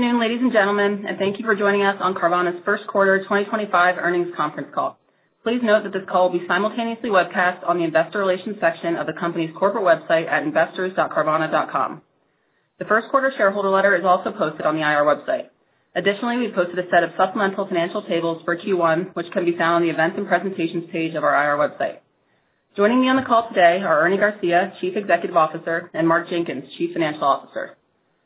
Good afternoon, ladies and gentlemen, and thank you for joining us on Carvana's first quarter 2025 earnings conference call. Please note that this call will be simultaneously webcast on the investor relations section of the company's corporate website at investors.carvana.com. The first quarter shareholder letter is also posted on the IR website. Additionally, we posted a set of supplemental financial tables for Q1, which can be found on the events and presentations page of our IR website. Joining me on the call today are Ernie Garcia, Chief Executive Officer, and Mark Jenkins, Chief Financial Officer.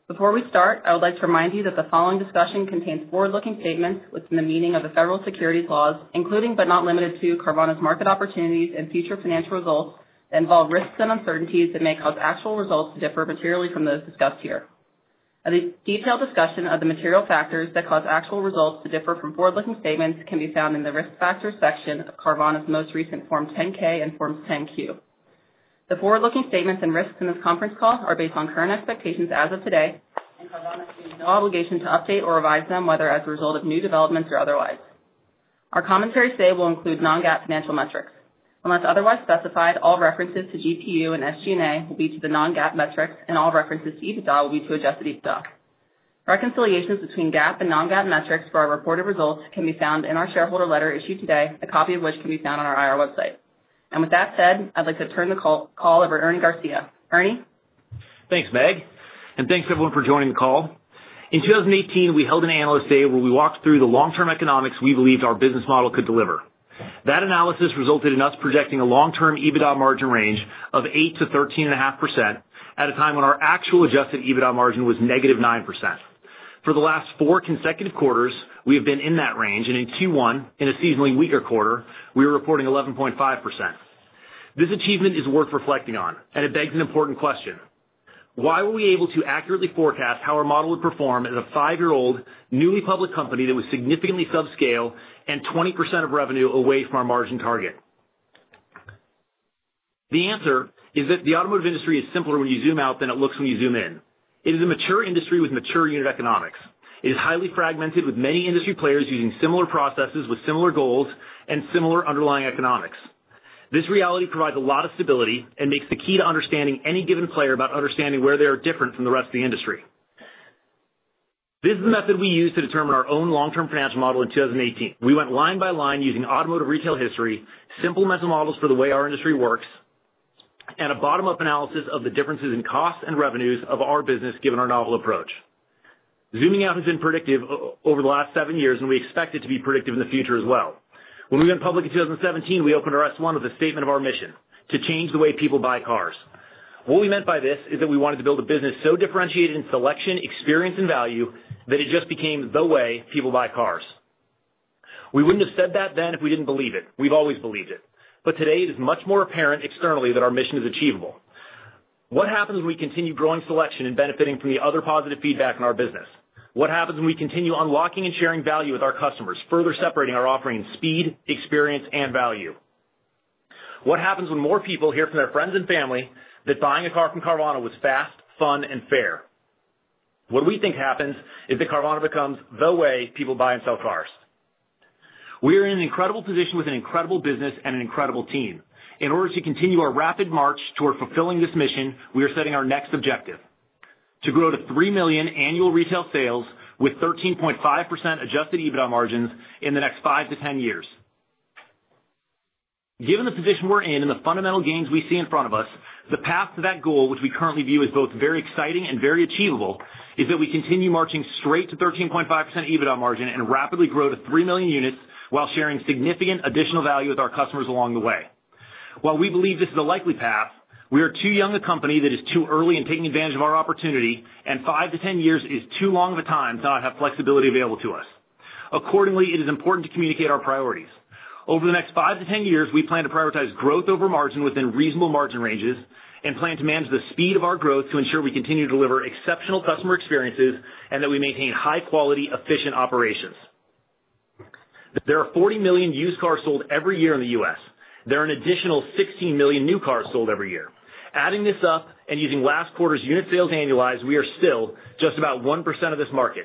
Before we start, I would like to remind you that the following discussion contains forward-looking statements within the meaning of the federal securities laws, including but not limited to Carvana's market opportunities and future financial results that involve risks and uncertainties that may cause actual results to differ materially from those discussed here. A detailed discussion of the material factors that cause actual results to differ from forward-looking statements can be found in the Risk Factors section of Carvana's most recent Form 10-K and Forms 10-Q. The forward-looking statements and risks in this conference call are based on current expectations as of today, and Carvana has no obligation to update or revise them whether as a result of new developments or otherwise. Our commentary today will include non-GAAP financial metrics. Unless otherwise specified, all references to GPU and SG&A will be to the non-GAAP metrics, and all references to EBITDA will be to adjusted EBITDA. Reconciliations between GAAP and non-GAAP metrics for our reported results can be found in our shareholder letter issued today, a copy of which can be found on our IR website. With that said, I'd like to turn the call over to Ernie Garcia. Ernie. Thanks, Meg, and thanks everyone for joining the call. In 2018, we held an analyst day where we walked through the long-term economics we believed our business model could deliver. That analysis resulted in us projecting a long-term EBITDA margin range of 8%-13.5% at a time when our actual adjusted EBITDA margin was -9%. For the last four consecutive quarters, we have been in that range, and in Q1, in a seasonally weaker quarter, we were reporting 11.5%. This achievement is worth reflecting on, and it begs an important question: why were we able to accurately forecast how our model would perform as a five-year-old, newly public company that was significantly subscale and 20% of revenue away from our margin target? The answer is that the automotive industry is simpler when you zoom out than it looks when you zoom in. It is a mature industry with mature unit economics. It is highly fragmented, with many industry players using similar processes with similar goals and similar underlying economics. This reality provides a lot of stability and makes the key to understanding any given player about understanding where they are different from the rest of the industry. This is the method we used to determine our own long-term financial model in 2018. We went line by line using automotive retail history, simple mental models for the way our industry works, and a bottom-up analysis of the differences in costs and revenues of our business given our novel approach. Zooming out has been predictive over the last seven years, and we expect it to be predictive in the future as well. When we went public in 2017, we opened our S-1 with a statement of our mission: to change the way people buy cars. What we meant by this is that we wanted to build a business so differentiated in selection, experience, and value that it just became the way people buy cars. We wouldn't have said that then if we didn't believe it. We've always believed it. But today, it is much more apparent externally that our mission is achievable. What happens when we continue growing selection and benefiting from the other positive feedback in our business? What happens when we continue unlocking and sharing value with our customers, further separating our offering in speed, experience, and value? What happens when more people hear from their friends and family that buying a car from Carvana was fast, fun, and fair? What we think happens is that Carvana becomes the way people buy and sell cars. We are in an incredible position with an incredible business and an incredible team. In order to continue our rapid march toward fulfilling this mission, we are setting our next objective: to grow to 3 million annual retail sales with 13.5% Adjusted EBITDA margins in the next 5-10 years. Given the position we're in and the fundamental gains we see in front of us, the path to that goal, which we currently view as both very exciting and very achievable, is that we continue marching straight to 13.5% EBITDA margin and rapidly grow to 3 million units while sharing significant additional value with our customers along the way. While we believe this is a likely path, we are too young a company that is too early in taking advantage of our opportunity, and 5-10 years is too long of a time to not have flexibility available to us. Accordingly, it is important to communicate our priorities. Over the next 5-10 years, we plan to prioritize growth over margin within reasonable margin ranges and plan to manage the speed of our growth to ensure we continue to deliver exceptional customer experiences and that we maintain high-quality, efficient operations. There are 40 million used cars sold every year in the U.S. There are an additional 16 million new cars sold every year. Adding this up and using last quarter's unit sales annualized, we are still just about 1% of this market.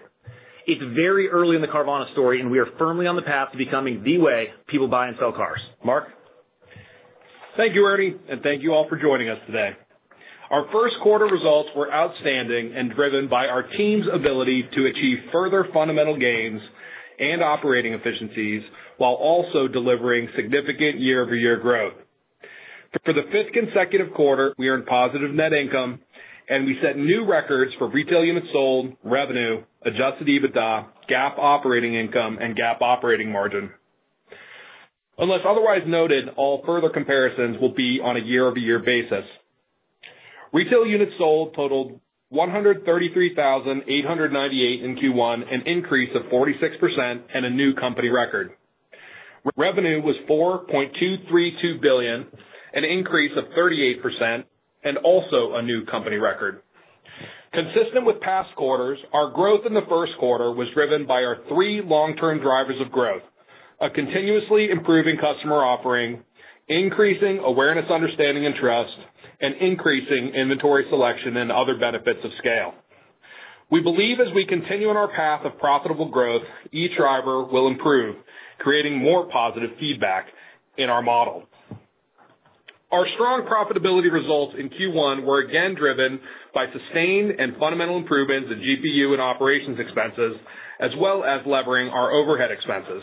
It's very early in the Carvana story, and we are firmly on the path to becoming the way people buy and sell cars. Mark. Thank you, Ernie, and thank you all for joining us today. Our first quarter results were outstanding and driven by our team's ability to achieve further fundamental gains and operating efficiencies while also delivering significant year-over-year growth. For the fifth consecutive quarter, we earned positive net income, and we set new records for retail units sold, revenue, Adjusted EBITDA, GAAP operating income, and GAAP operating margin. Unless otherwise noted, all further comparisons will be on a year-over-year basis. Retail units sold totaled 133,898 in Q1, an increase of 46%, and a new company record. Revenue was $4.232 billion, an increase of 38%, and also a new company record. Consistent with past quarters, our growth in the first quarter was driven by our three long-term drivers of growth: a continuously improving customer offering, increasing awareness, understanding, and trust, and increasing inventory selection and other benefits of scale. We believe as we continue on our path of profitable growth, each driver will improve, creating more positive feedback in our model. Our strong profitability results in Q1 were again driven by sustained and fundamental improvements in GPU and operations expenses, as well as leveraging our overhead expenses.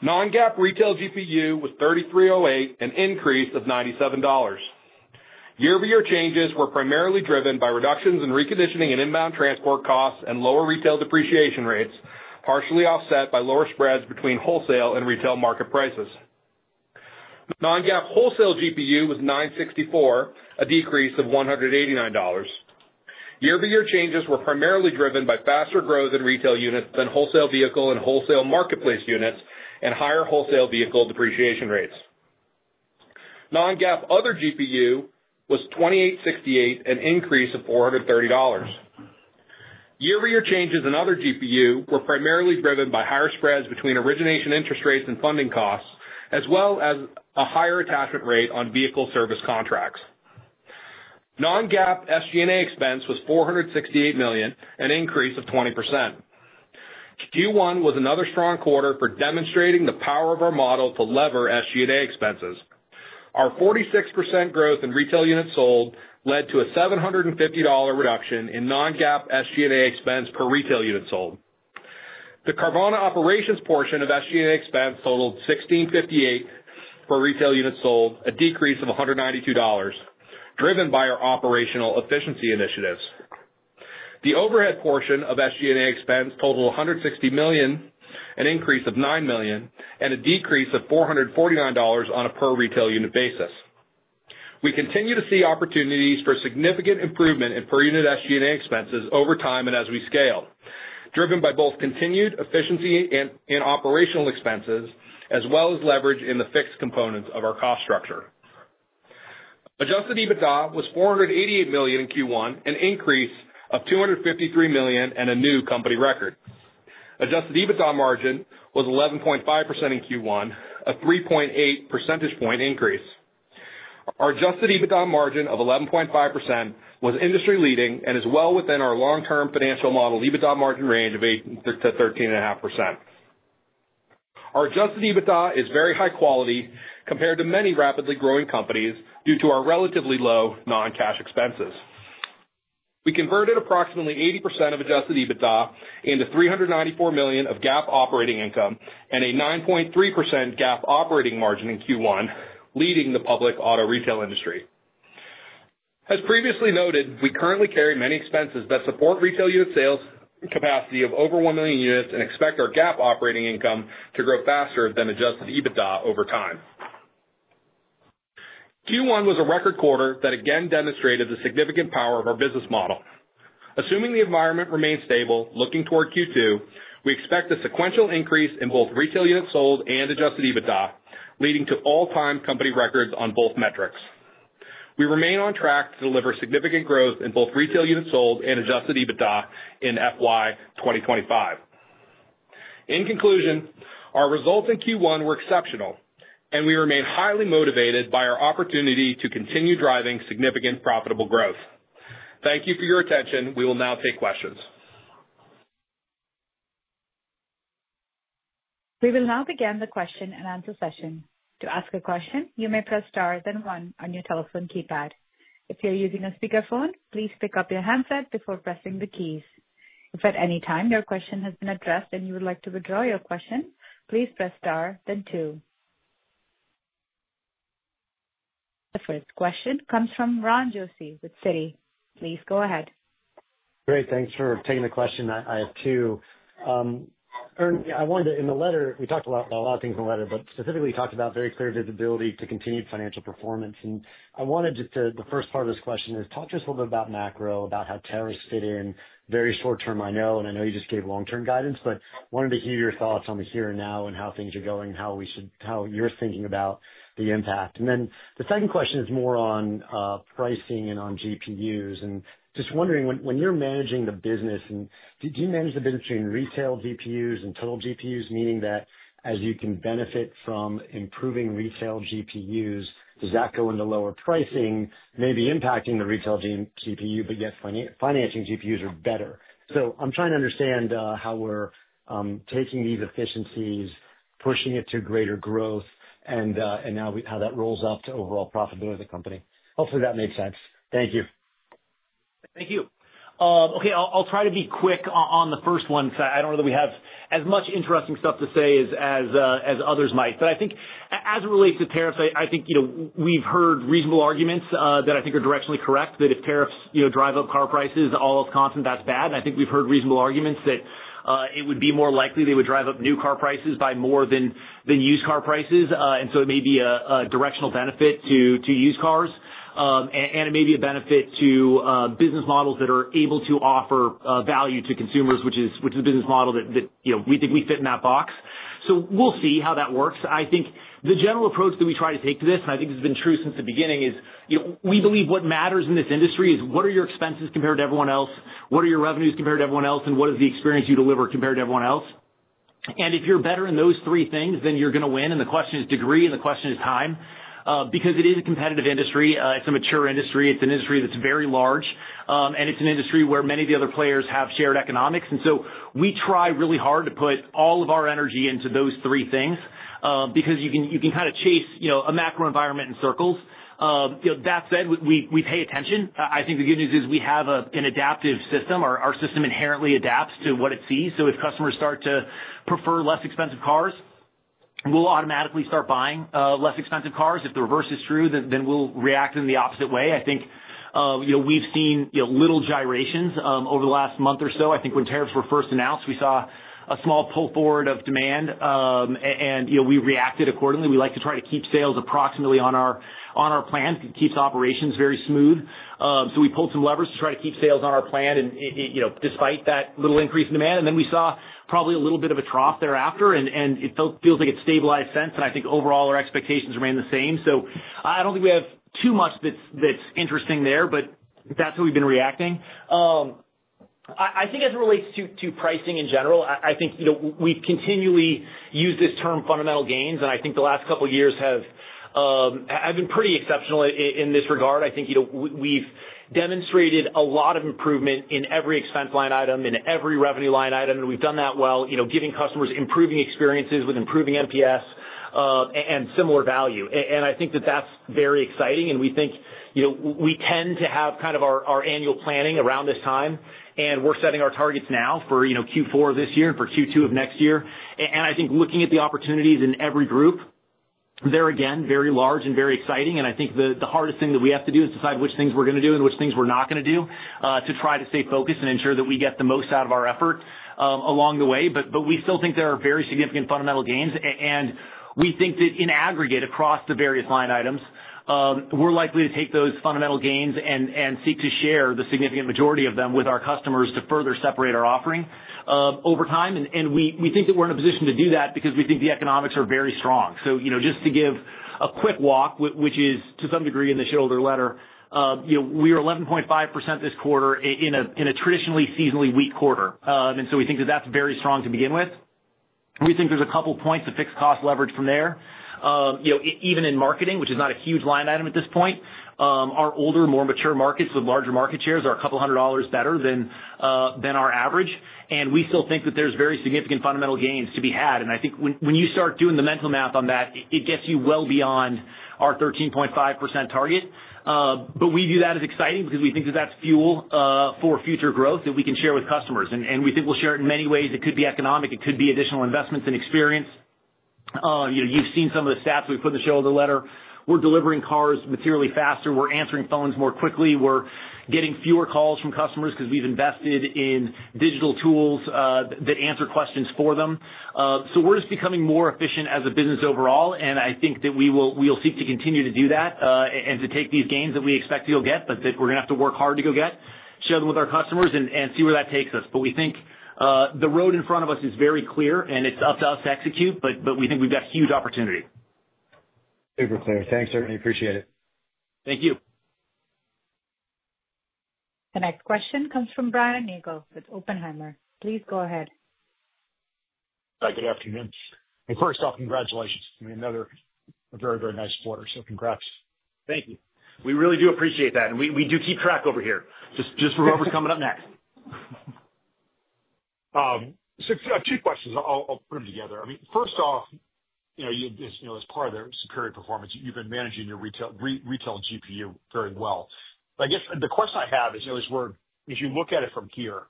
Non-GAAP retail GPU was $3,308, an increase of $97. Year-over-year changes were primarily driven by reductions in reconditioning and inbound transport costs and lower retail depreciation rates, partially offset by lower spreads between wholesale and retail market prices. Non-GAAP wholesale GPU was $964, a decrease of $189. Year-over-year changes were primarily driven by faster growth in retail units than wholesale vehicle and wholesale marketplace units and higher wholesale vehicle depreciation rates. Non-GAAP other GPU was $2,868, an increase of $430. Year-over-year changes in other GPU were primarily driven by higher spreads between origination interest rates and funding costs, as well as a higher attachment rate on vehicle service contracts. Non-GAAP SG&A expense was $468 million, an increase of 20%. Q1 was another strong quarter for demonstrating the power of our model to lever SG&A expenses. Our 46% growth in retail units sold led to a $750 reduction in non-GAAP SG&A expense per retail unit sold. The Carvana operations portion of SG&A expense totaled $1,658 per retail unit sold, a decrease of $192, driven by our operational efficiency initiatives. The overhead portion of SG&A expense totaled $160 million, an increase of $9 million, and a decrease of $449 on a per retail unit basis. We continue to see opportunities for significant improvement in per unit SG&A expenses over time and as we scale, driven by both continued efficiency and operational expenses, as well as leverage in the fixed components of our cost structure. Adjusted EBITDA was $488 million in Q1, an increase of $253 million, and a new company record. Adjusted EBITDA margin was 11.5% in Q1, a 3.8 percentage point increase. Our adjusted EBITDA margin of 11.5% was industry-leading and is well within our long-term financial model EBITDA margin range of 8%-13.5%. Our adjusted EBITDA is very high quality compared to many rapidly growing companies due to our relatively low non-cash expenses. We converted approximately 80% of adjusted EBITDA into $394 million of GAAP operating income and a 9.3% GAAP operating margin in Q1, leading the public auto retail industry. As previously noted, we currently carry many expenses that support retail unit sales capacity of over 1 million units and expect our GAAP operating income to grow faster than Adjusted EBITDA over time. Q1 was a record quarter that again demonstrated the significant power of our business model. Assuming the environment remains stable, looking toward Q2, we expect a sequential increase in both retail units sold and Adjusted EBITDA, leading to all-time company records on both metrics. We remain on track to deliver significant growth in both retail units sold and Adjusted EBITDA in FY 2025. In conclusion, our results in Q1 were exceptional, and we remain highly motivated by our opportunity to continue driving significant profitable growth. Thank you for your attention. We will now take questions. We will now begin the question and answer session. To ask a question, you may press star then one on your telephone keypad. If you're using a speakerphone, please pick up your handset before pressing the keys. If at any time your question has been addressed and you would like to withdraw your question, please press star then two. The first question comes from Ron Josey with Citi. Please go ahead. Great. Thanks for taking the question. I have two. Ernie, I wanted to, in the letter, we talked about a lot of things in the letter, but specifically talked about very clear visibility to continued financial performance. And I wanted just to, the first part of this question is, talk to us a little bit about macro, about how tariffs fit in very short term, I know, and I know you just gave long-term guidance, but wanted to hear your thoughts on the here and now and how things are going and how we should, how you're thinking about the impact. And then the second question is more on pricing and on GPUs. And just wondering, when you're managing the business, and do you manage the business between retail GPUs and total GPUs, meaning that as you can benefit from improving retail GPUs, does that go into lower pricing, maybe impacting the retail GPU, but yet financing GPUs are better? So I'm trying to understand how we're taking these efficiencies, pushing it to greater growth, and now how that rolls up to overall profitability of the company. Hopefully, that makes sense. Thank you. Thank you. Okay. I'll try to be quick on the first one because I don't know that we have as much interesting stuff to say as others might. But I think as it relates to tariffs, I think we've heard reasonable arguments that I think are directionally correct, that if tariffs drive up car prices all else constant, that's bad. I think we've heard reasonable arguments that it would be more likely they would drive up new car prices by more than used car prices. And so it may be a directional benefit to used cars. And it may be a benefit to business models that are able to offer value to consumers, which is a business model that we think we fit in that box. So we'll see how that works. I think the general approach that we try to take to this, and I think this has been true since the beginning, is we believe what matters in this industry is what are your expenses compared to everyone else, what are your revenues compared to everyone else, and what is the experience you deliver compared to everyone else. And if you're better in those three things, then you're going to win. And the question is degree, and the question is time. Because it is a competitive industry, it's a mature industry, it's an industry that's very large, and it's an industry where many of the other players have shared economics. And so we try really hard to put all of our energy into those three things because you can kind of chase a macro environment in circles. That said, we pay attention. I think the good news is we have an adaptive system. Our system inherently adapts to what it sees, so if customers start to prefer less expensive cars, we'll automatically start buying less expensive cars. If the reverse is true, then we'll react in the opposite way. I think we've seen little gyrations over the last month or so. I think when tariffs were first announced, we saw a small pull forward of demand, and we reacted accordingly. We like to try to keep sales approximately on our plan, keeps operations very smooth. So we pulled some levers to try to keep sales on our plan despite that little increase in demand, and then we saw probably a little bit of a trough thereafter, and it feels like it stabilized since, and I think overall our expectations remain the same. So I don't think we have too much that's interesting there, but that's how we've been reacting. I think as it relates to pricing in general, I think we've continually used this term fundamental gains, and I think the last couple of years have been pretty exceptional in this regard. I think we've demonstrated a lot of improvement in every expense line item, in every revenue line item, and we've done that well, giving customers improving experiences with improving NPS and similar value. And I think that that's very exciting. And we think we tend to have kind of our annual planning around this time, and we're setting our targets now for Q4 of this year and for Q2 of next year. And I think looking at the opportunities in every group, they're again very large and very exciting. And I think the hardest thing that we have to do is decide which things we're going to do and which things we're not going to do to try to stay focused and ensure that we get the most out of our effort along the way. But we still think there are very significant fundamental gains, and we think that in aggregate across the various line items, we're likely to take those fundamental gains and seek to share the significant majority of them with our customers to further separate our offering over time. And we think that we're in a position to do that because we think the economics are very strong. So just to give a quick walk, which is to some degree in the shareholder letter, we are 11.5% this quarter in a traditionally seasonally weak quarter. And so we think that that's very strong to begin with. We think there's a couple of points of fixed cost leverage from there. Even in marketing, which is not a huge line item at this point, our older, more mature markets with larger market shares are a couple of hundred dollars better than our average. And we still think that there's very significant fundamental gains to be had. And I think when you start doing the mental math on that, it gets you well beyond our 13.5% target. But we view that as exciting because we think that that's fuel for future growth that we can share with customers. And we think we'll share it in many ways. It could be economic. It could be additional investments and experience. You've seen some of the stats we put in the shareholder letter. We're delivering cars materially faster. We're answering phones more quickly. We're getting fewer calls from customers because we've invested in digital tools that answer questions for them, so we're just becoming more efficient as a business overall, and I think that we'll seek to continue to do that and to take these gains that we expect to go get, but that we're going to have to work hard to go get, share them with our customers, and see where that takes us, but we think the road in front of us is very clear, and it's up to us to execute, but we think we've got huge opportunity. Super clear. Thanks, Ernie. Appreciate it. Thank you. The next question comes from Brian Nagel with Oppenheimer. Please go ahead. Good afternoon, and first off, congratulations. I mean, another very, very nice quarter, so congrats. Thank you. We really do appreciate that. And we do keep track over here. Just for whoever's coming up next. So two questions. I'll put them together. I mean, first off, as part of the superior performance, you've been managing your retail GPU very well. I guess the question I have is, as you look at it from here,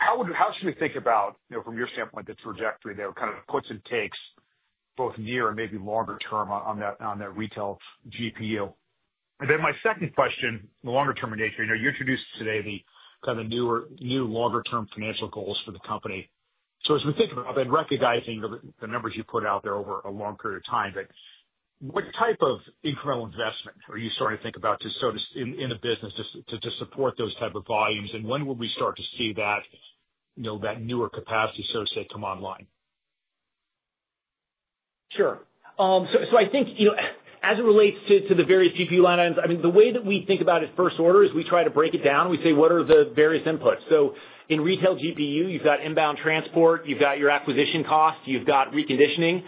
how should we think about, from your standpoint, the trajectory that kind of puts and takes both near and maybe longer term on that retail GPU? And then my second question, the longer-term nature. You introduced today the kind of new longer-term financial goals for the company. So as we think about that, recognizing the numbers you put out there over a long period of time, but what type of incremental investment are you starting to think about in a business to support those type of volumes? And when will we start to see that newer capacity associates come online? Sure. So I think as it relates to the various GPU line items, I mean, the way that we think about it first order is we try to break it down. We say, what are the various inputs? So in retail GPU, you've got inbound transport, you've got your acquisition cost, you've got reconditioning,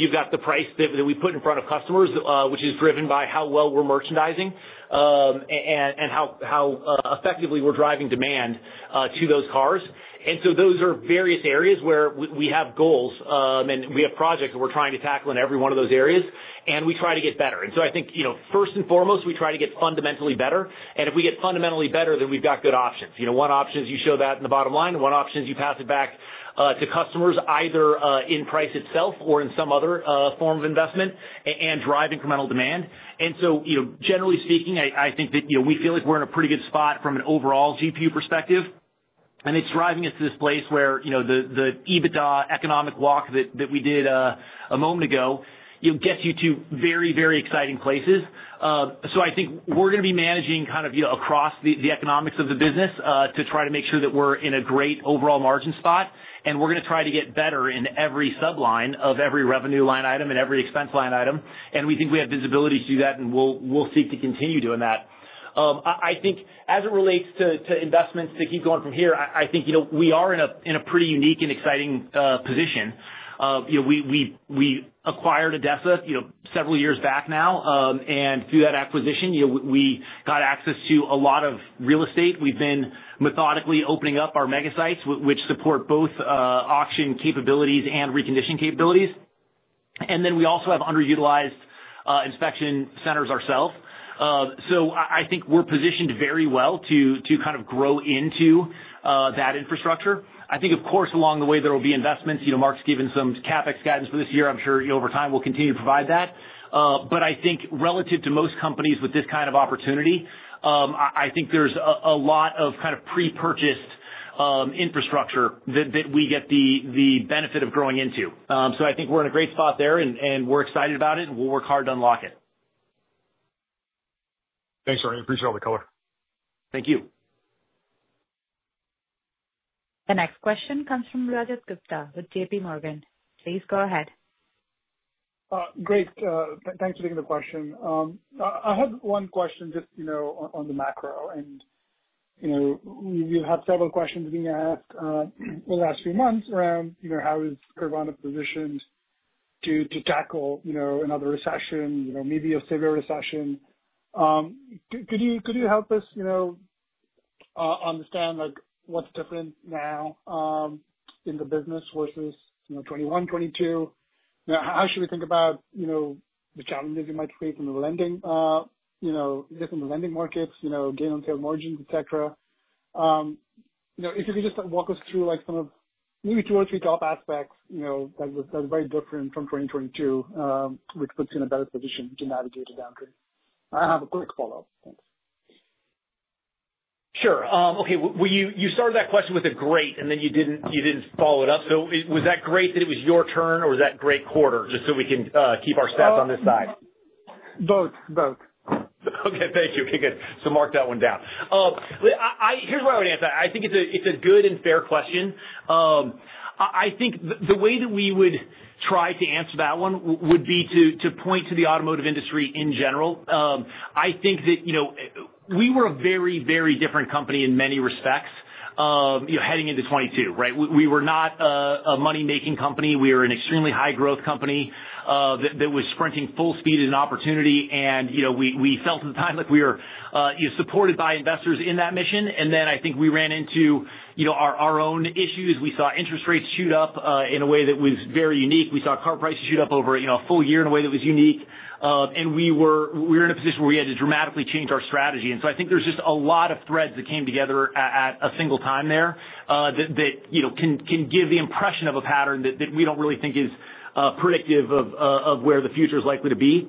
you've got the price that we put in front of customers, which is driven by how well we're merchandising and how effectively we're driving demand to those cars. And so those are various areas where we have goals, and we have projects that we're trying to tackle in every one of those areas, and we try to get better. And so I think first and foremost, we try to get fundamentally better. And if we get fundamentally better, then we've got good options. One option is you show that in the bottom line. One option is you pass it back to customers, either in price itself or in some other form of investment and drive incremental demand. And so generally speaking, I think that we feel like we're in a pretty good spot from an overall GPU perspective. And it's driving us to this place where the EBITDA economic walk that we did a moment ago gets you to very, very exciting places. So I think we're going to be managing kind of across the economics of the business to try to make sure that we're in a great overall margin spot. And we're going to try to get better in every subline of every revenue line item and every expense line item. And we think we have visibility to do that, and we'll seek to continue doing that. I think as it relates to investments to keep going from here, I think we are in a pretty unique and exciting position. We acquired ADESA several years back now, and through that acquisition, we got access to a lot of real estate. We've been methodically opening up our mega sites, which support both auction capabilities and reconditioning capabilities. And then we also have underutilized inspection centers ourselves. So I think we're positioned very well to kind of grow into that infrastructure. I think, of course, along the way, there will be investments. Mark's given some CapEx guidance for this year. I'm sure over time we'll continue to provide that. But I think relative to most companies with this kind of opportunity, I think there's a lot of kind of pre-purchased infrastructure that we get the benefit of growing into. So I think we're in a great spot there, and we're excited about it, and we'll work hard to unlock it. Thanks, Ernie. Appreciate all the color. Thank you. The next question comes from Rajat Gupta with JPMorgan. Please go ahead. Great. Thanks for taking the question. I had one question just on the macro. And we've had several questions being asked in the last few months around how is Carvana positioned to tackle another recession, maybe a severe recession. Could you help us understand what's different now in the business versus 2021, 2022? How should we think about the challenges you might face in the lending markets, gain on sales margins, etc.? If you could just walk us through some of maybe two or three top aspects that are very different from 2022, which puts you in a better position to navigate the downturn. I have a quick follow-up. Thanks. Sure. Okay. Well, you started that question with a great, and then you didn't follow it up. So was that great that it was your turn, or was that great quarter, just so we can keep our staff on this side? Both. Both. Okay. Thank you. Okay. Good, so mark that one down. Here's why I would answer that. I think it's a good and fair question. I think the way that we would try to answer that one would be to point to the automotive industry in general. I think that we were a very, very different company in many respects heading into 2022, right? We were not a money-making company. We were an extremely high-growth company that was sprinting full speed at an opportunity, and we felt at the time like we were supported by investors in that mission, and then I think we ran into our own issues. We saw interest rates shoot up in a way that was very unique. We saw car prices shoot up over a full year in a way that was unique. And we were in a position where we had to dramatically change our strategy. And so I think there's just a lot of threads that came together at a single time there that can give the impression of a pattern that we don't really think is predictive of where the future is likely to be.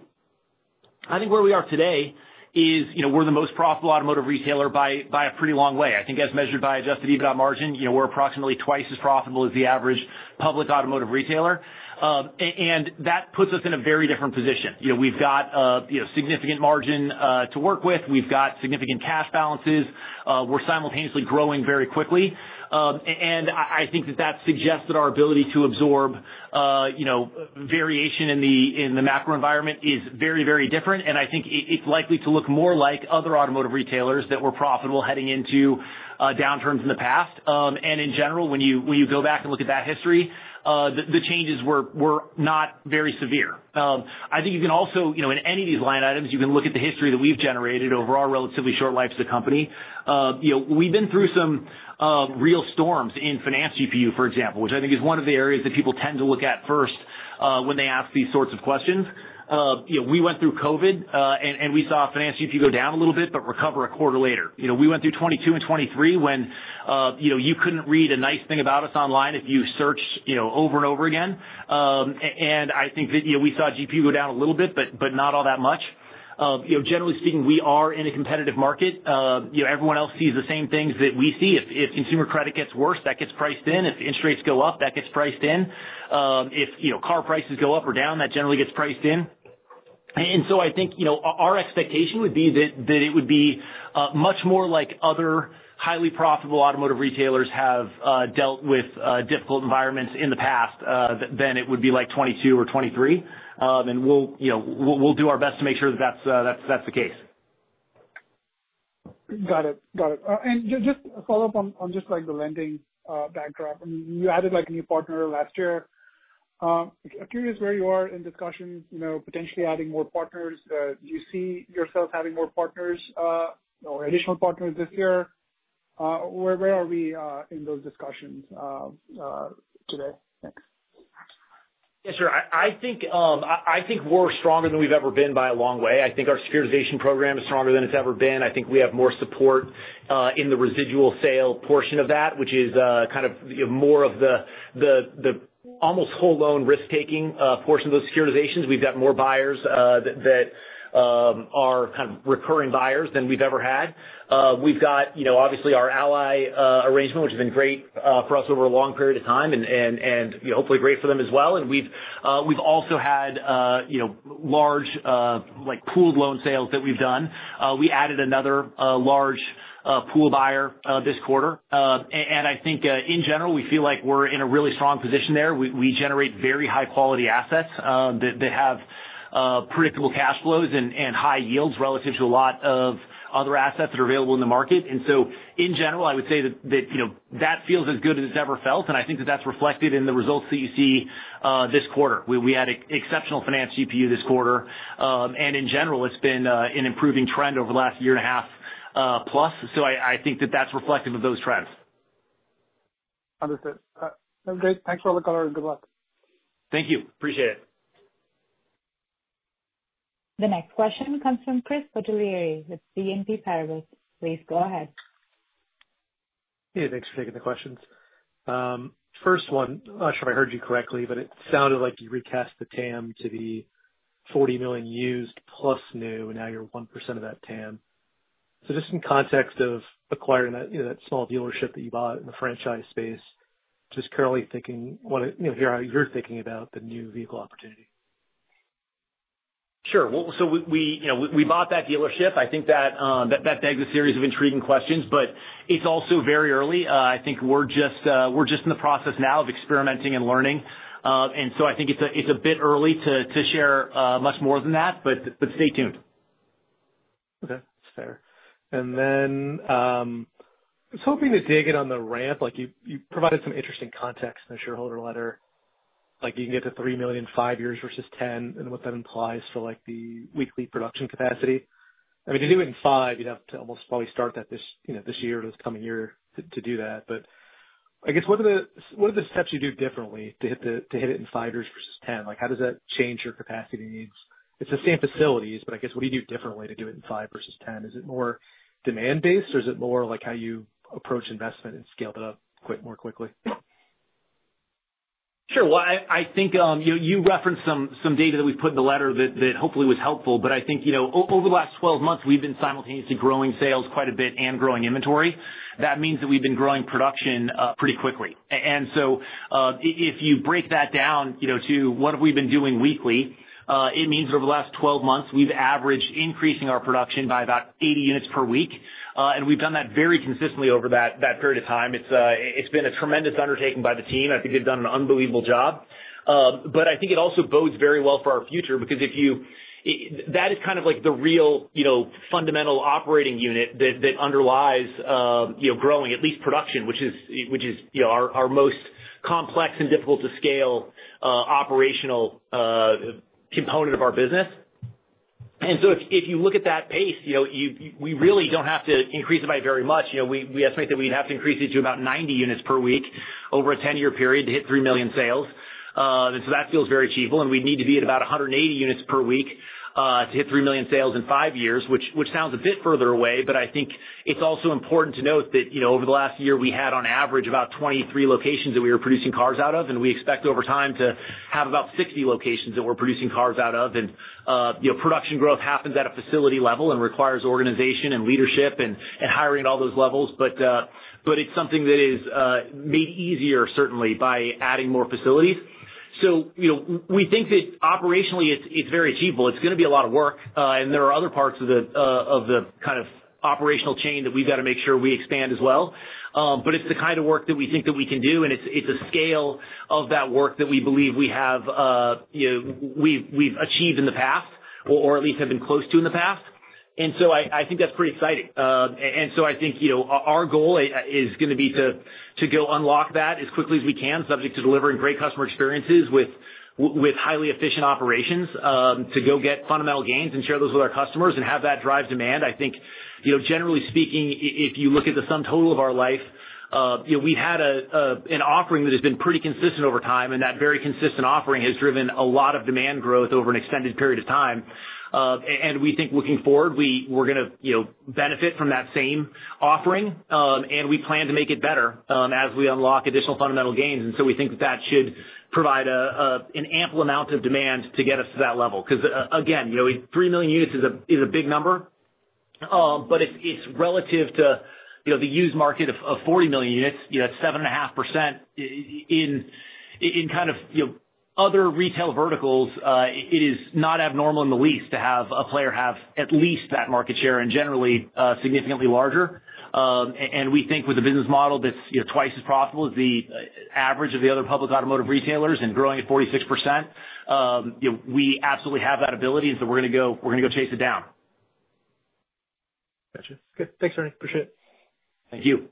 I think where we are today is we're the most profitable automotive retailer by a pretty long way. I think as measured by Adjusted EBITDA margin, we're approximately twice as profitable as the average public automotive retailer. And that puts us in a very different position. We've got significant margin to work with. We've got significant cash balances. We're simultaneously growing very quickly. And I think that that suggests that our ability to absorb variation in the macro environment is very, very different. And I think it's likely to look more like other automotive retailers that were profitable heading into downturns in the past. And in general, when you go back and look at that history, the changes were not very severe. I think you can also in any of these line items, you can look at the history that we've generated over our relatively short life as a company. We've been through some real storms in finance GPU, for example, which I think is one of the areas that people tend to look at first when they ask these sorts of questions. We went through COVID, and we saw finance GPU go down a little bit but recover a quarter later. We went through 2022 and 2023 when you couldn't read a nice thing about us online if you searched over and over again. I think that we saw GPU go down a little bit but not all that much. Generally speaking, we are in a competitive market. Everyone else sees the same things that we see. If consumer credit gets worse, that gets priced in. If interest rates go up, that gets priced in. If car prices go up or down, that generally gets priced in. And so I think our expectation would be that it would be much more like other highly profitable automotive retailers have dealt with difficult environments in the past than it would be like 2022 or 2023. And we'll do our best to make sure that that's the case. Got it. Got it. And just a follow-up on just the lending backdrop. You added a new partner last year. I'm curious where you are in discussions potentially adding more partners. Do you see yourself having more partners or additional partners this year? Where are we in those discussions today? Thanks. Yes, sir. I think we're stronger than we've ever been by a long way. I think our securitization program is stronger than it's ever been. I think we have more support in the residual sale portion of that, which is kind of more of the almost whole-loan risk-taking portion of those securitizations. We've got more buyers that are kind of recurring buyers than we've ever had. We've got, obviously, our Ally arrangement, which has been great for us over a long period of time and hopefully great for them as well, and we've also had large pooled loan sales that we've done. We added another large pool buyer this quarter, and I think, in general, we feel like we're in a really strong position there. We generate very high-quality assets that have predictable cash flows and high yields relative to a lot of other assets that are available in the market. And so, in general, I would say that that feels as good as it's ever felt. And I think that that's reflected in the results that you see this quarter. We had exceptional finance GPU this quarter. And in general, it's been an improving trend over the last year and a half plus. So I think that that's reflective of those trends. Understood. Great. Thanks for all the color. Good luck. Thank you. Appreciate it. The next question comes from Chris Bottiglieri with BNP Paribas. Please go ahead. Hey. Thanks for taking the questions. First one, not sure if I heard you correctly, but it sounded like you recast the TAM to be 40 million used plus new, and now you're 1% of that TAM. So just in context of acquiring that small dealership that you bought in the franchise space, just currently thinking what you're thinking about the new vehicle opportunity. Sure. Well, so we bought that dealership. I think that begs a series of intriguing questions, but it's also very early. I think we're just in the process now of experimenting and learning. And so I think it's a bit early to share much more than that, but stay tuned. Okay. That's fair. And then I was hoping to dig in on the ramp. You provided some interesting context in the shareholder letter. You can get to three million in five years versus 10 and what that implies for the weekly production capacity. I mean, to do it in five, you'd have to almost probably start that this year or this coming year to do that. But I guess, what are the steps you do differently to hit it in five years versus 10? How does that change your capacity needs? It's the same facilities, but I guess, what do you do differently to do it in five versus 10? Is it more demand-based, or is it more like how you approach investment and scale it up more quickly? Sure. Well, I think you referenced some data that we put in the letter that hopefully was helpful, but I think over the last 12 months, we've been simultaneously growing sales quite a bit and growing inventory. That means that we've been growing production pretty quickly. And so if you break that down to what have we been doing weekly, it means that over the last 12 months, we've averaged increasing our production by about 80 units per week. And we've done that very consistently over that period of time. It's been a tremendous undertaking by the team. I think they've done an unbelievable job. But I think it also bodes very well for our future because that is kind of like the real fundamental operating unit that underlies growing, at least production, which is our most complex and difficult-to-scale operational component of our business. And so if you look at that pace, we really don't have to increase it by very much. We estimate that we'd have to increase it to about 90 units per week over a 10-year period to hit 3 million sales. And so that feels very achievable. And we'd need to be at about 180 units per week to hit 3 million sales in 5 years, which sounds a bit further away. But I think it's also important to note that over the last year, we had, on average, about 23 locations that we were producing cars out of. And we expect over time to have about 60 locations that we're producing cars out of. And production growth happens at a facility level and requires organization and leadership and hiring at all those levels. But it's something that is made easier, certainly, by adding more facilities. So we think that operationally, it's very achievable. It's going to be a lot of work. And there are other parts of the kind of operational chain that we've got to make sure we expand as well. But it's the kind of work that we think that we can do. And it's a scale of that work that we believe we have achieved in the past or at least have been close to in the past. And so I think that's pretty exciting. And so I think our goal is going to be to go unlock that as quickly as we can, subject to delivering great customer experiences with highly efficient operations to go get fundamental gains and share those with our customers and have that drive demand. I think, generally speaking, if you look at the sum total of our life, we've had an offering that has been pretty consistent over time, and that very consistent offering has driven a lot of demand growth over an extended period of time, and we think looking forward, we're going to benefit from that same offering, and we plan to make it better as we unlock additional fundamental gains, and so we think that that should provide an ample amount of demand to get us to that level because, again, 3 million units is a big number, but it's relative to the used market of 40 million units. That's 7.5%. In kind of other retail verticals, it is not abnormal in the least to have a player have at least that market share and generally significantly larger. And we think with a business model that's twice as profitable as the average of the other public automotive retailers and growing at 46%, we absolutely have that ability. And so we're going to go chase it down. Gotcha. Good. Thanks, Ernie. Appreciate it. Thank you.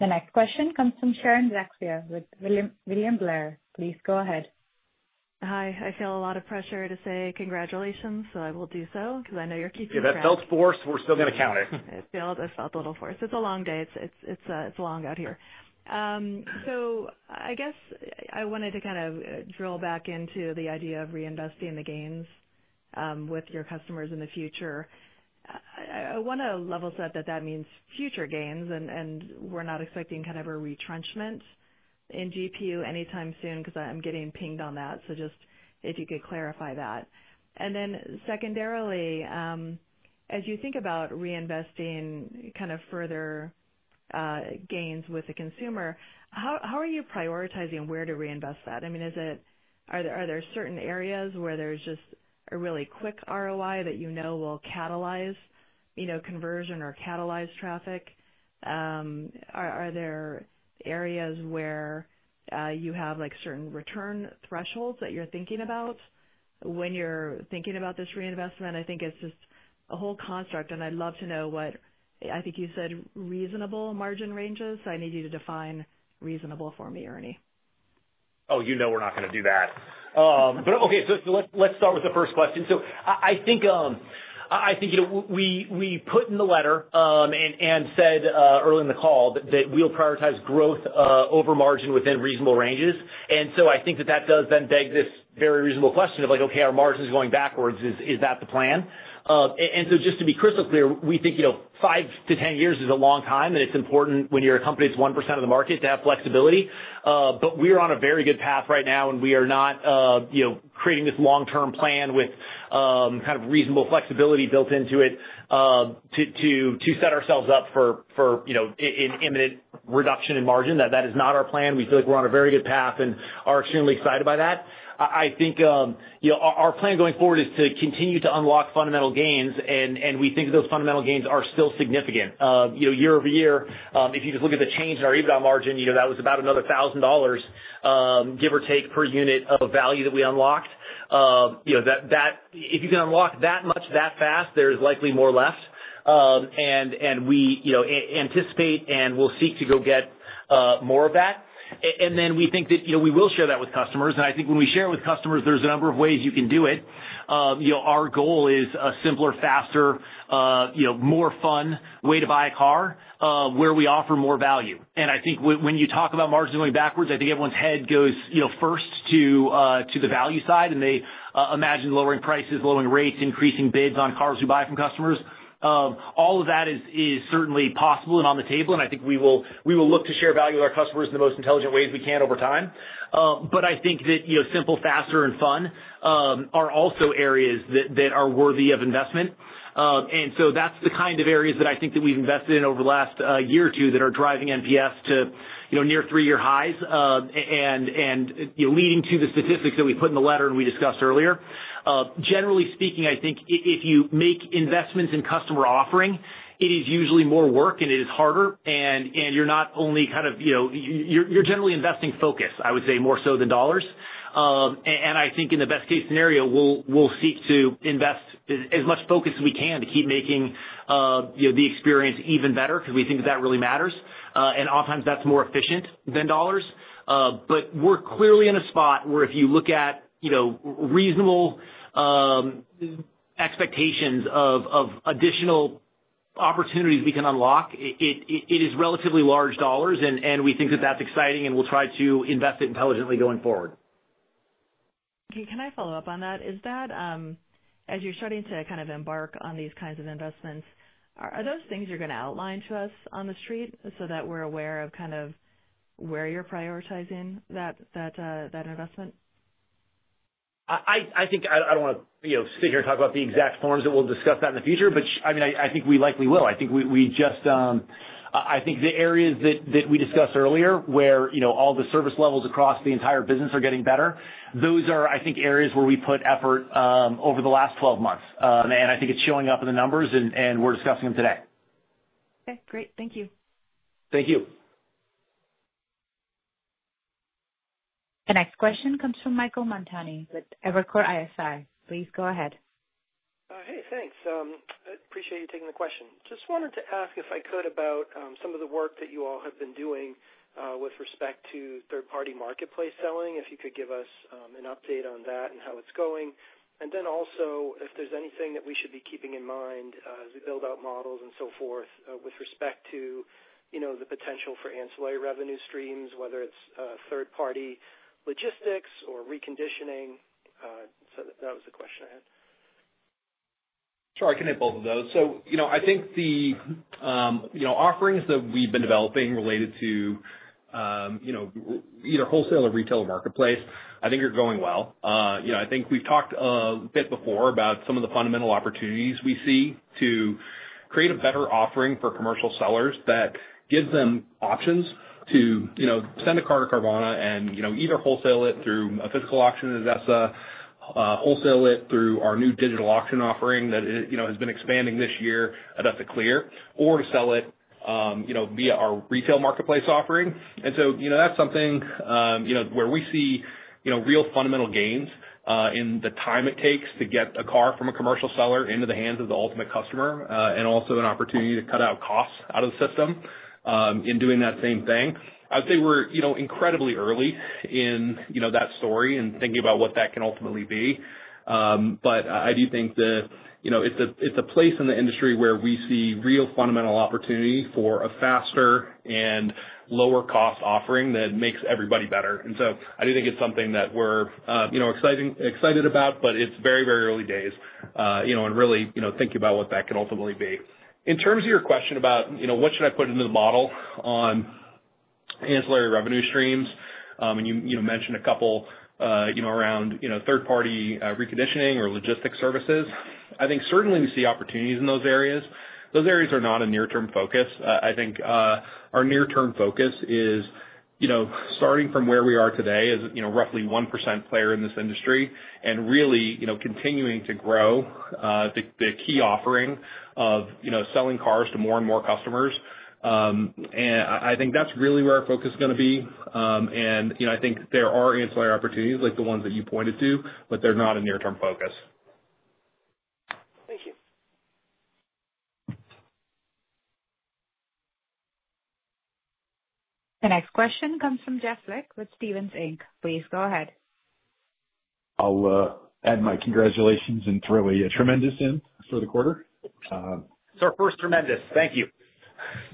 The next question comes from Sharon Zackfia with William Blair. Please go ahead. Hi. I feel a lot of pressure to say congratulations, so I will do so because I know you're keeping track. Yeah. That felt forced. We're still going to count it. It felt a little forced. It's a long day. It's long out here. So I guess I wanted to kind of drill back into the idea of reinvesting the gains with your customers in the future. I want to level set that that means future gains. And we're not expecting kind of a retrenchment in GPU anytime soon because I'm getting pinged on that. So just if you could clarify that. And then secondarily, as you think about reinvesting kind of further gains with the consumer, how are you prioritizing where to reinvest that? I mean, are there certain areas where there's just a really quick ROI that you know will catalyze conversion or catalyze traffic? Are there areas where you have certain return thresholds that you're thinking about when you're thinking about this reinvestment? I think it's just a whole construct. And I'd love to know what I think you said reasonable margin ranges. So I need you to define reasonable for me, Ernie. Oh, you know we're not going to do that. But okay. So let's start with the first question. So I think we put in the letter and said early in the call that we'll prioritize growth over margin within reasonable ranges. And so I think that that does then beg this very reasonable question of, "Okay, our margin is going backwards. Is that the plan?" And so just to be crystal clear, we think five to 10 years is a long time. And it's important when you're a company that's 1% of the market to have flexibility. But we're on a very good path right now. And we are not creating this long-term plan with kind of reasonable flexibility built into it to set ourselves up for an imminent reduction in margin. That is not our plan. We feel like we're on a very good path and are extremely excited by that. I think our plan going forward is to continue to unlock fundamental gains, and we think that those fundamental gains are still significant. Year-over-year, if you just look at the change in our EBITDA margin, that was about another $1,000, give or take, per unit of value that we unlocked. If you can unlock that much that fast, there is likely more left, and we anticipate and will seek to go get more of that. And then we think that we will share that with customers. I think when we share it with customers, there's a number of ways you can do it. Our goal is a simpler, faster, more fun way to buy a car where we offer more value. And I think when you talk about margins going backwards, I think everyone's head goes first to the value side. And they imagine lowering prices, lowering rates, increasing bids on cars we buy from customers. All of that is certainly possible and on the table. And I think we will look to share value with our customers in the most intelligent ways we can over time. But I think that simple, faster, and fun are also areas that are worthy of investment. And so that's the kind of areas that I think that we've invested in over the last year or two that are driving NPS to near three-year highs and leading to the statistics that we put in the letter and we discussed earlier. Generally speaking, I think if you make investments in customer offering, it is usually more work and it is harder. And you're not only kind of generally investing focus, I would say, more so than dollars. And I think, in the best-case scenario, we'll seek to invest as much focus as we can to keep making the experience even better because we think that that really matters. And oftentimes, that's more efficient than dollars. But we're clearly in a spot where, if you look at reasonable expectations of additional opportunities we can unlock, it is relatively large dollars. And we think that that's exciting. And we'll try to invest it intelligently going forward. Okay. Can I follow up on that? As you're starting to kind of embark on these kinds of investments, are those things you're going to outline to us on the street so that we're aware of kind of where you're prioritizing that investment? I think I don't want to sit here and talk about the exact forms that we'll discuss that in the future, but I mean, I think we likely will. I think we just, I think, the areas that we discussed earlier where all the service levels across the entire business are getting better, those are, I think, areas where we put effort over the last 12 months, and I think it's showing up in the numbers, and we're discussing them today. Okay. Great. Thank you. Thank you. The next question comes from Michael Montani with Evercore ISI. Please go ahead. Hey. Thanks. Appreciate you taking the question. Just wanted to ask about some of the work that you all have been doing with respect to third-party marketplace selling, if you could give us an update on that and how it's going, and then also if there's anything that we should be keeping in mind as we build out models and so forth with respect to the potential for ancillary revenue streams, whether it's third-party logistics or reconditioning. So that was the question I had. Sure. I can hit both of those. So I think the offerings that we've been developing related to either wholesale or retail marketplace, I think are going well. I think we've talked a bit before about some of the fundamental opportunities we see to create a better offering for commercial sellers that gives them options to send a car to Carvana and either wholesale it through a physical auction or wholesale it through our new digital auction offering that has been expanding this year at ADESA or to sell it via our retail marketplace offering. And so that's something where we see real fundamental gains in the time it takes to get a car from a commercial seller into the hands of the ultimate customer and also an opportunity to cut out costs out of the system in doing that same thing. I would say we're incredibly early in that story and thinking about what that can ultimately be. But I do think that it's a place in the industry where we see real fundamental opportunity for a faster and lower-cost offering that makes everybody better. And so I do think it's something that we're excited about, but it's very, very early days and really thinking about what that can ultimately be. In terms of your question about what should I put into the model on ancillary revenue streams, and you mentioned a couple around third-party reconditioning or logistics services, I think certainly we see opportunities in those areas. Those areas are not a near-term focus. I think our near-term focus is starting from where we are today as roughly 1% player in this industry and really continuing to grow the key offering of selling cars to more and more customers. I think that's really where our focus is going to be. I think there are ancillary opportunities like the ones that you pointed to, but they're not a near-term focus. Thank you. The next question comes from Jeff Lick with Stephens Inc. Please go ahead. I'll add my congratulations and throw a tremendous in for the quarter. First, tremendous. Thank you.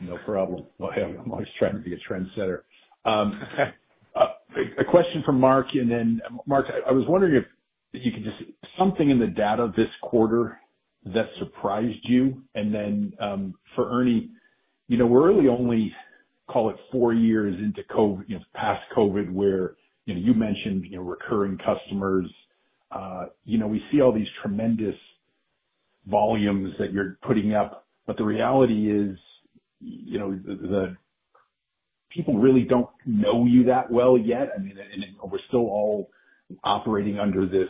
No problem. I'm always trying to be a trendsetter. A question for Mark. And then Mark, I was wondering if you could just something in the data this quarter that surprised you. And then for Ernie, we're really only, call it, four years into post-COVID where you mentioned recurring customers. We see all these tremendous volumes that you're putting up. But the reality is the people really don't know you that well yet. I mean, we're still all operating under this